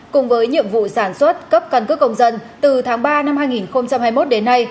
cùng với nhiệm vụ sản xuất cấp căn cước công dân từ tháng ba năm hai nghìn hai mươi một đến nay